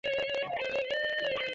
আপনার ফোনটা দেখি।